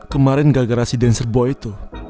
kemarin gara garasi dancerboy itu